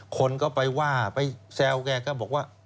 คนก็ไปว่าไปแซวแกก็บอกว่า